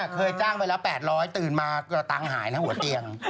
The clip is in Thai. เคยจ้างไปแล้ว๘๐๐ตื่นมากระตังค์หายนะหัวเตียง